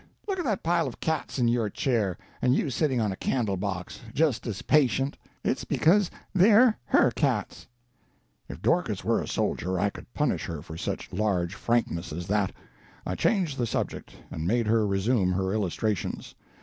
Look at that pile of cats in your chair, and you sitting on a candle box, just as patient; it's because they're her cats." [Picture: "'Look at that pile of cats in your chair'"] If Dorcas were a soldier, I could punish her for such large frankness as that. I changed the subject, and made her resume her illustrations.